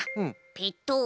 ペト。